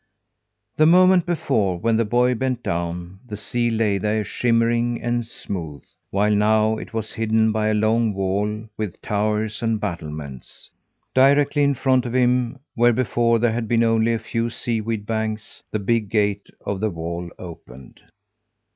The moment before, when the boy bent down, the sea lay there shimmering and smooth, while now it was hidden by a long wall with towers and battlements. Directly in front of him, where before there had been only a few sea weed banks, the big gate of the wall opened.